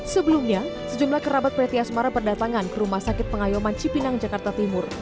sebelumnya sejumlah kerabat preti asmara berdatangan ke rumah sakit pengayoman cipinang jakarta timur